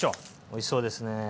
おいしそうですねぇ。